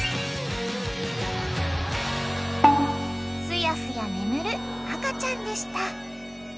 ［すやすや眠る赤ちゃんでした］